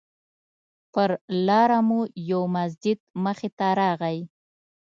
پر لاره مو یو مسجد مخې ته راغی.